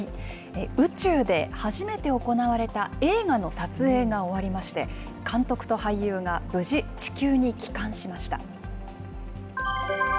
宇宙で初めて行われた映画の撮影が終わりまして、監督と俳優が無事、地球に帰還しました。